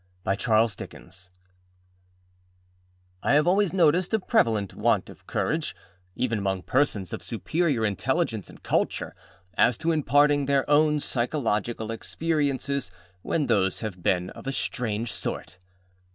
I HAVE always noticed a prevalent want of courage, even among persons of superior intelligence and culture, as to imparting their own psychological experiences when those have been of a strange sort.